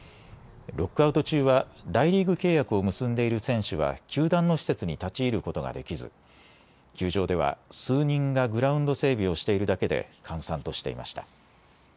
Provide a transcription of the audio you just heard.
ロックアウト中は大リーグ契約を結んでいる選手は球団の施設に立ち入ることができず球場では数人がグラウンド整備をしているだけで閑散としていました。